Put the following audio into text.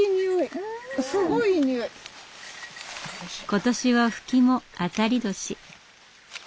今年はフキも当たり年。